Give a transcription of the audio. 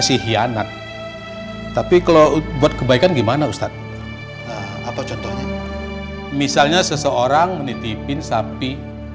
sih hianat tapi kalau buat kebaikan gimana ustadz apa contohnya misalnya seseorang menitipin sapi